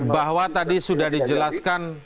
bahwa tadi sudah dijelaskan